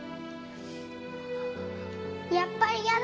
やっぱりやだ！